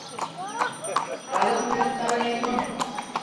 Калыкым ӧрыктарынет мо?